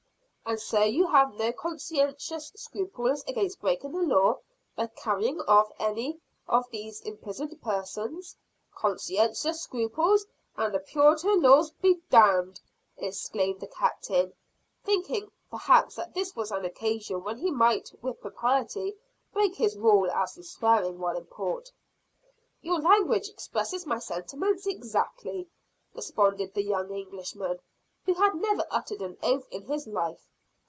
"And so you have no conscientious scruples against breaking the law, by carrying off any of these imprisoned persons?" "Conscientious scruples and the Puritan laws be d !" exclaimed the Captain; thinking perhaps that this was an occasion when he might with propriety break his rule as to swearing while in port. "Your language expresses my sentiments exactly!" responded the young Englishman, who had never uttered an oath in his life.